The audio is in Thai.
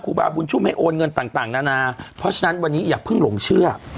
บาบุญชุ่มให้โอนเงินต่างนานาเพราะฉะนั้นวันนี้อย่าเพิ่งหลงเชื่อ